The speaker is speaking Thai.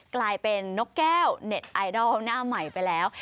กลายเป็นนกแก้วเน็ตไอดอลหน้าใหม่ไปแล้ว